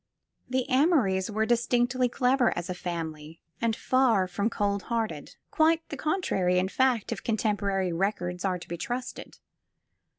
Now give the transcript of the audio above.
The Amorys were distinctly clever, as a family, and far from cold 175 SQUARE PEGGY hearted. Quite the contrary, in fact, if contemporary records are to be trusted.